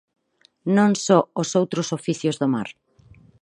Non só os outros oficios do mar.